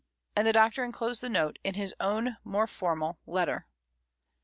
And the Doctor enclosed the note in his own more formal letter.